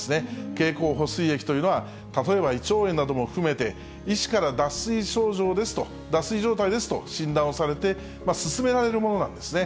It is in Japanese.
経口補水液というのは、例えば胃腸炎なども含めて、医師から脱水症状ですと、脱水状態ですと診断をされて、勧められるものなんですね。